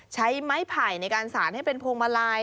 ใช้ไม้ไผ่ในการสารให้เป็นพวงมาลัย